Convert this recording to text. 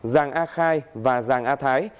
giàng a khai và giàng a thái